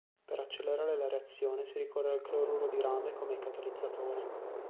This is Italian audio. Per accelerare la reazione si ricorre al cloruro di rame come catalizzatore.